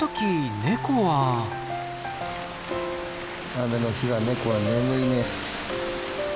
雨の日はネコは眠いね。